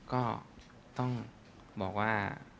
ก็ต้องบอกว่า